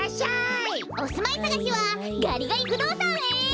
おすまいさがしはガリガリ不動産へ！